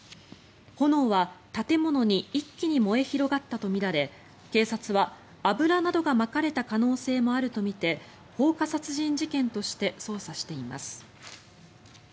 炎は建物に一気に燃え広がったとみられ警察は油などがまかれた可能性もあるとみて放火殺人事件として捜査しています。